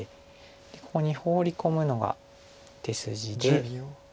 ここにホウリ込むのが手筋で。